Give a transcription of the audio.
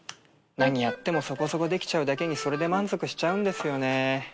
何やってもそこそこできちゃうだけにそれで満足しちゃうんですよね。